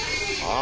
あ。